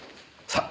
さあ。